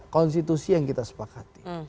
konstitusi yang kita sepakati